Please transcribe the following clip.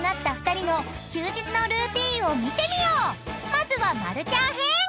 ［まずは丸ちゃん編］